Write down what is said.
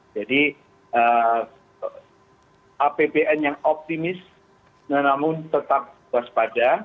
jadi apbn yang optimis namun tetap waspada